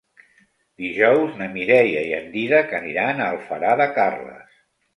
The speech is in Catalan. Dijous na Mireia i en Dídac aniran a Alfara de Carles.